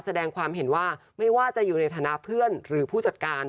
แสดงความเห็นว่าไม่ว่าจะอยู่ในฐานะเพื่อนหรือผู้จัดการ